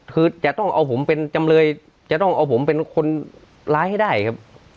คือจะต้องเอาผมเป็นจำเลยจะต้องเอาผมเป็นคนร้ายให้ได้ครับ